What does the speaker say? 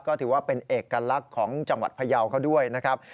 ก็ถือว่าเป็นเอกลักษณ์ของจังหวัดพยาวเขาด้วยนะครับ